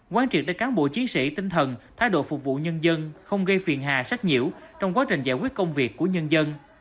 quán triệt đến cán bộ chiến sĩ tinh thần thái độ phục vụ nhân dân không gây phiền hà sách nhiễu trong quá trình giải quyết công việc của nhân dân